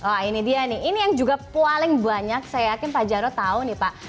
wah ini dia nih ini yang juga paling banyak saya yakin pak jarod tahu nih pak